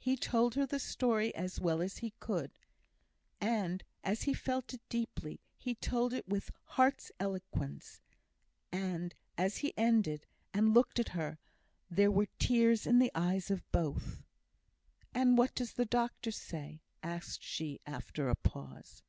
He told her the story as well as he could; and, as he felt it deeply, he told it with heart's eloquence; and, as he ended and looked at her, there were tears in the eyes of both. "And what does the doctor say?" asked she, after a pause.